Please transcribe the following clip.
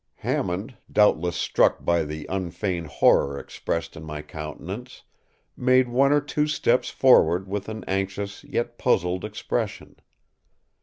” Hammond, doubtless struck by the unfeigned horror expressed in my countenance, made one or two steps forward with an anxious yet puzzled expression.